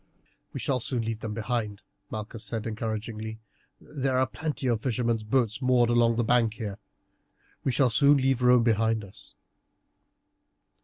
"We shall soon leave them behind," Malchus said encouragingly. "There are plenty of fishermen's boats moored along the bank here. We shall soon leave Rome behind us."